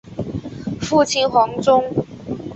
父亲黄中。